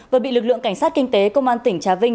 vừa bị lực lượng cảnh sát kinh tế công an tỉnh trà vinh